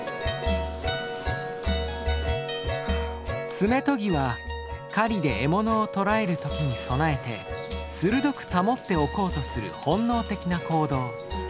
爪とぎは狩りで獲物を捕らえる時に備えて鋭く保っておこうとする本能的な行動。